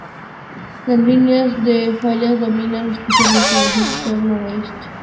Las líneas de fallas dominan especialmente en el sector noroeste.